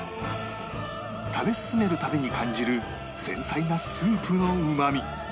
食べ進める度に感じる繊細なスープのうまみ